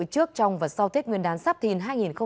trước trong và sau tết nguyên đán sắp thìn hai nghìn hai mươi bốn